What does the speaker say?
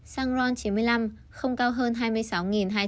xăng ron chín mươi năm không cao hơn hai mươi bốn năm trăm chín mươi đồng một lit